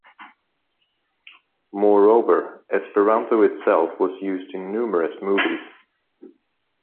Moreover, Esperanto itself was used in numerous movies.